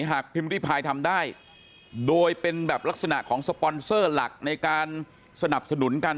พิมพ์ริพายทำได้โดยเป็นแบบลักษณะของสปอนเซอร์หลักในการสนับสนุนกัน